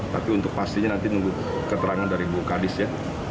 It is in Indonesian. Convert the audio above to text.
tapi untuk pastinya nanti nunggu keterangan dari bukadis ya